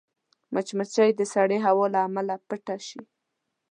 مچمچۍ د سړې هوا له امله پټه شي